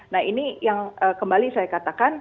nah ini yang kembali saya katakan